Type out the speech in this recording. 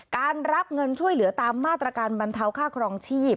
การรับเงินช่วยเหลือตามมาตรการบรรเทาค่าครองชีพ